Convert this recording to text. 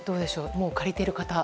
もう借りている方は？